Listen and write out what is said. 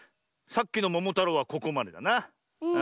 さっきの「ももたろう」はここまでだな。